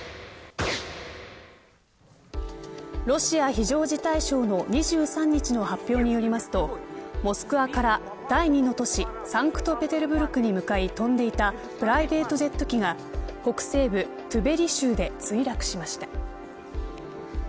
ロシア非常事態省の２３日の発表によりますとモスクワから、第２の都市サンクトペテルブルクに向かい飛んでいたプライベートジェット機が北西部トゥベリ州で墜落しました。